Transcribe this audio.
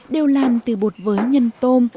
đều làm từ bột với nhân tôm